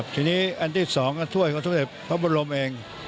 ที่นี้อันที่๒ถ้วยเค้าต้องเก็บเพราะบรมเอง